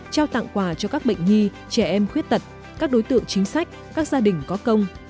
trao tặng quà cho các bệnh nhi trẻ em khuyết tật các đối tượng chính sách các gia đình có công